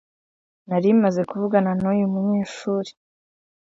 Nari maze kuvugana nuyu munyeshuri.